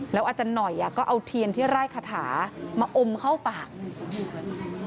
แล้วอาจจะหน่อยอ่ะก็เอาเทียนที่ร่ายคาถามาอมเข้าปาก